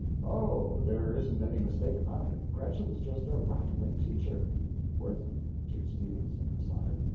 Oh, there isn't any mistake about it Gretchen's just a rattling teacher! WIRTHIN. (To Stephenson aside.)